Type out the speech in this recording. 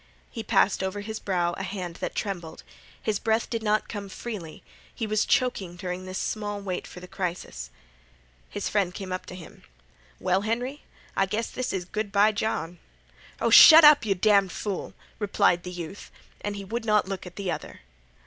He passed over his brow a hand that trembled. His breath did not come freely. He was choking during this small wait for the crisis. His friend came to him. "Well, Henry, I guess this is good by John." "Oh, shut up, you damned fool!" replied the youth, and he would not look at the other.